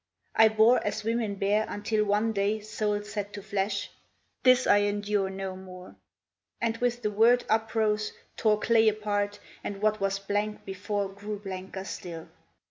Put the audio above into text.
I bore, as women bear, until one day Soul said to flesh, "This I endure no more," And with the word uprose, tore clay apart, And what was blank before grew blanker still.